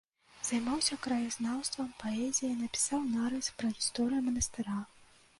Займаўся краязнаўствам, паэзіяй, напісаў нарыс пра гісторыю манастыра.